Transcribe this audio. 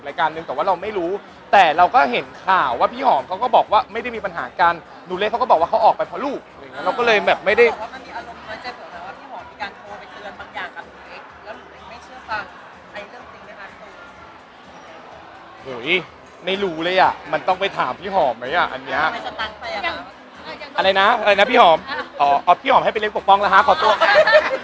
อย่างในตัวสังคมสิทธิ์ต้นหอมเขามีมั้ยกับเพื่อนที่แบบว่าเวลามีปัญหาแล้วคอยเตือนอะไรอย่างนี้